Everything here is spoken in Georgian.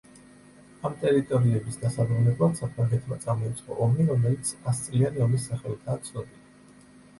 ამ ტერიტორიების დასაბრუნებლად საფრანგეთმა წამოიწყო ომი რომელიც ასწლიანი ომის სახელითაა ცნობილი.